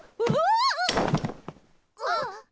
あっ！